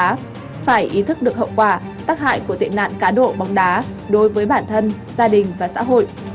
đó phải ý thức được hậu quả tác hại của tệ nạn cá độ bóng đá đối với bản thân gia đình và xã hội